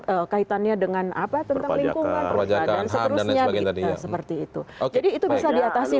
tentang kekaitannya dengan apa tentang lingkungan rojak akan hartanah seperti itu oke itu bisa diatasi